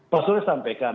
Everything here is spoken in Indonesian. pak surya sampaikan